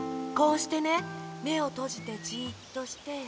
こうしてねめをとじてじっとして。